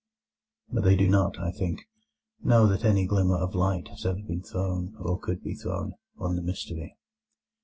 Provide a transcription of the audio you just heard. But they do not, I think, know that any glimmer of light has ever been thrown, or could be thrown, on the mystery.